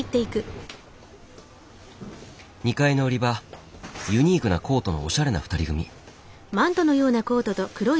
２階の売り場ユニークなコートのおしゃれな２人組。